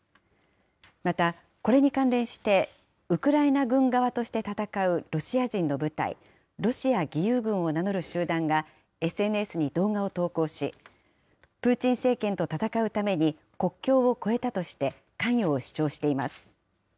また、これに関連してウクライナ軍側として戦うロシア人の部隊、ロシア義勇軍を名乗る集団が、ＳＮＳに動画を投稿し、プーチン政権と戦うために国境を越えたとして、関与を主張しています。